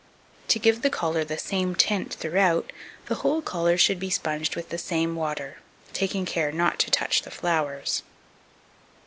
To give the collar the same tint throughout, the whole collar should be sponged with the same water, taking care not to touch the flowers.